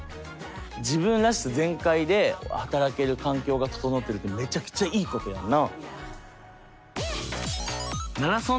自分らしさ全開で働ける環境が整ってるってめちゃくちゃいいことやんな。